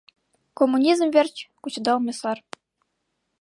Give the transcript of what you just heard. Коммунизм верч кучедалме сар!